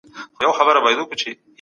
د واقعي سرمايې ارزښت مه کموئ.